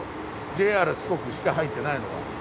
ＪＲ四国しか入ってないのが。